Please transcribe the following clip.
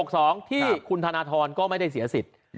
ตอนปี๖๒ที่คุณธนธรรมก็ไม่ได้เสียสิทธ์